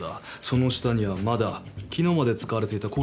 その下にはまだ昨日まで使われていたコース